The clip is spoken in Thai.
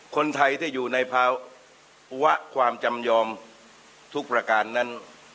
คนไทยที่อยู่ในภาวะความจำยอมทุกประการนั้น